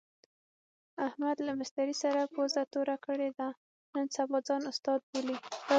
احمد له مستري سره پوزه توره کړې ده، نن سبا ځان استاد بولي.